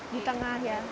di tengah ya